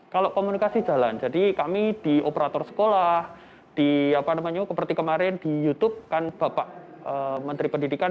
kalau komunikasi jalan jadi kami di operator sekolah di apa namanya seperti kemarin di youtube kan bapak menteri pendidikan